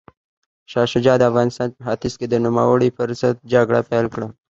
شاه شجاع د افغانستان په ختیځ کې د نوموړي پر ضد جګړه پیل کړه.